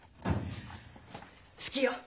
好きよ。